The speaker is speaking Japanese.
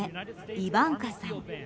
イバンカさん。